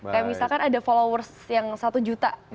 kayak misalkan ada followers yang satu juta